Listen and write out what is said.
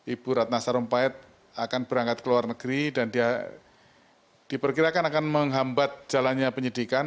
ibu ratna sarumpait akan berangkat ke luar negeri dan dia diperkirakan akan menghambat jalannya penyidikan